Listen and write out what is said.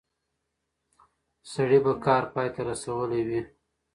سړی به کار پای ته رسولی وي.